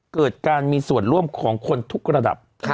เกิดการมีส่วนร่วมของคนทุกระดับ